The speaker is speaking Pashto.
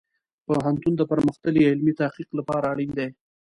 پوهنتون د پرمختللې علمي تحقیق لپاره اړین دی.